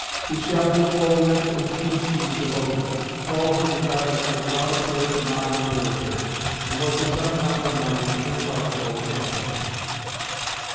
To Shelley, Coleridge, and Keats he was devoted. Poe he regarded as without a peer in modern literature, and was his uncompromising, inflexible champion.